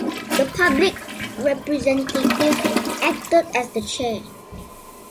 The public representative acted as the chair.